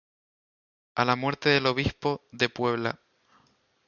A la muerte del Obispo de Puebla, Dn.